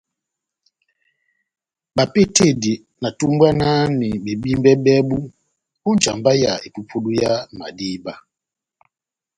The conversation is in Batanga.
Bapehetedi na tumbwanahani bebímbɛ bɛbu ó njamba ya epupudu yá madíba.